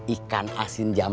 ikan asin jamur